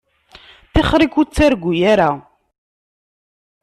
Tixeṛ-ik ur ttargu ara.